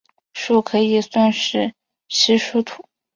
树可以算是稀疏图。